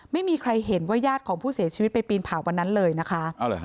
ไม่มีใครเห็นว่าญาติของผู้เสียชีวิตไปปีนเผาวันนั้นเลยนะคะ